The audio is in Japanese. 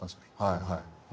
はいはい。